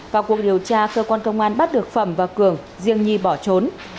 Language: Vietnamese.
vào cuộc điều tra cơ quan công an bắt được phẩm và cường riêng nhi bỏ trốn